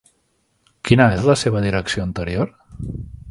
Quina és la seva direcció anterior?